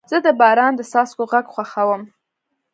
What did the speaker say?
زه د باران د څاڅکو غږ خوښوم.